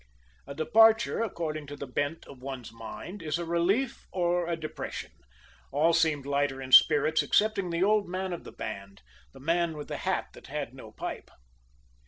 A departure, according to the bent of one's mind, is a relief or a depression. All seemed lighter in spirits excepting the old man of the band, the man with the hat that had no pipe.